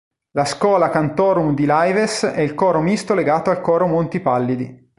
La "Schola Cantorum di Laives" è il coro misto legato al Coro Monti Pallidi.